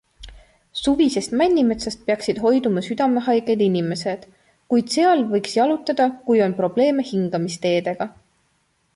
Suvisest männimetsast peaksid hoiduma südamehaiged inimesed, kuid seal võiks jalutada, kui on probleeme hingamisteedega.